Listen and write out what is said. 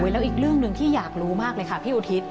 แล้วอีกเรื่องหนึ่งที่อยากรู้มากเลยค่ะพี่อุทิศ